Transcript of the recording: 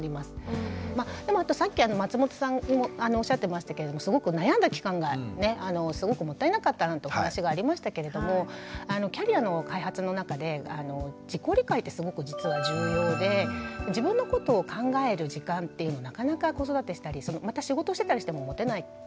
でもさっき松本さんもおっしゃってましたけれども「悩んだ期間がすごくもったいなかった」なんてお話がありましたけれどもキャリアの開発の中で自己理解ってすごく実は重要で自分のことを考える時間っていうのなかなか子育てしたりまた仕事してたりしても持てないんですよね。